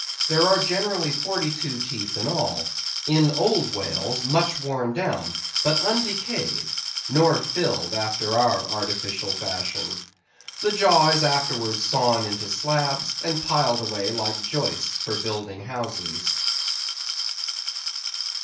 There are generally forty two teeth in all; in old whales, much worn down, but undecayed; nor filled after our artificial fashion. The jaw is afterwards sawn into slabs, and piled away like joists for building houses.